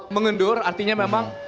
mengendur artinya memang